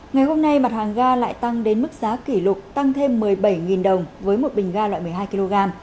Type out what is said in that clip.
ngày hôm nay mặt hàng ga lại tăng đến mức giá kỷ lục tăng thêm một mươi bảy đồng với một bình ga loại một mươi hai kg